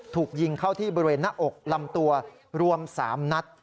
ถูกยิงเข้าที่บริเวณหน้าอกลำตัวรวม๓นัด